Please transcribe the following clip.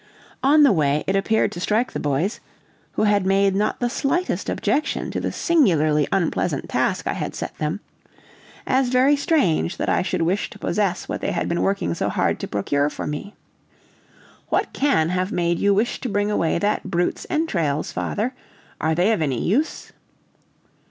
On the way, it appeared to strike the boys (who had made not the slightest objection to the singularly unpleasant task I had set them), as very strange that I should wish to possess what they had been working so hard to procure for me. "What can have made you wish to bring away that brute's entrails, father? Are they of any use?"